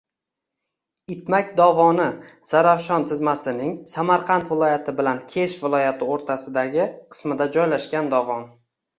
Itmak dovoni – Zarafshon tizmasining Samarqand viloyati bilan Kesh viloyati o‘rtasidagi qismida joylashgan dovon.